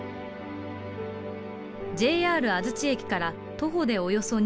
ＪＲ安土駅から徒歩でおよそ２５分。